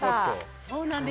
そうなんです。